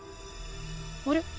あれ？